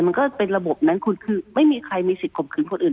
มันก็เป็นระบบนั้นคุณคือไม่มีใครมีสิทธิข่มขืนคนอื่น